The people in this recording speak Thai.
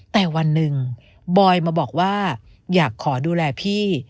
แต่วันหนึ่งบอยมาบอกว่าอยากขอดูแลพี่